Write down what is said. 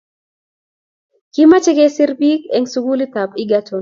Kimache kesir pik en sukul ab Egerton